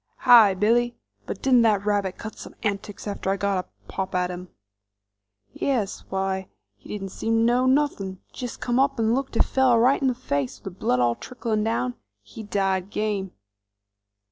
"Hi, Billy, but didn't that rabbit cut some antics after I got a pop at him?" "Yes; why, he didn't seem to know nothin', jest come up 'nd looked a fellow right in the face with the blood all tricklin' down. He died game."